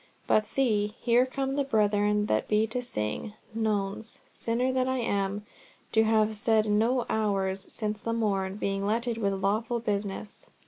But see, here come the brethren that be to sing Nones—sinner that I am, to have said no Hours since the morn, being letted with lawful business."